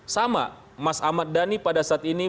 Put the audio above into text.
sama mas ahmad dhani pada saat ini